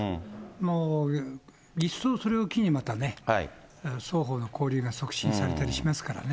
もう一層それを機にね、またね、双方の交流が促進されたりしますからね。